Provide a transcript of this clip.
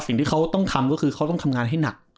สิ่งที่เขาต้องทำก็คือเขาต้องทำงานให้หนัก